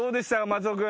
松尾君。